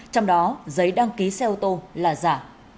trong đó giấy đăng ký xe ô tô là giả